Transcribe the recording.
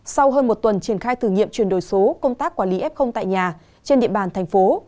sau hơn một tuần triển khai thử nghiệm chuyển đổi số công tác quản lý f tại nhà trên địa bàn thành phố